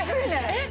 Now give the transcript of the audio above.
えっ！